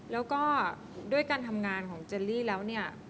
แล้วก็ด้วยการทำงานของเจลลี่แล้วเนี่ย